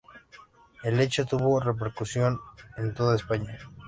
El hecho tuvo repercusión en toda España.